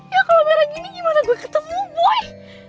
ya kalau merah gini gimana gue ketemu boy